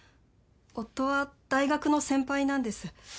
夫は大学の先輩なんです。